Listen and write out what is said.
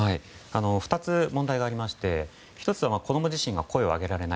２つ問題がありまして１つは子供自身が声を上げられない。